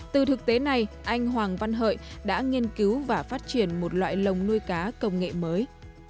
từ thực tế này anh hoàng văn hợi đã nghiên cứu và phát triển một loại lồng nuôi cá công nghệ mới